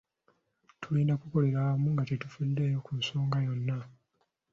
Tulina kukolera wamu nge tetufuddeeyo ku nsonga yonna.